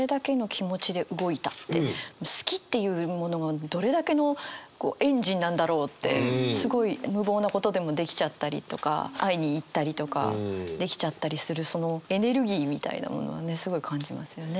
「好き」っていうものがどれだけのエンジンなんだろうってすごい無謀なことでもできちゃったりとか会いに行ったりとかできちゃったりするそのエネルギーみたいなものはねすごい感じますよね。